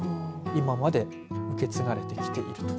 今まで受け継がれてきていると。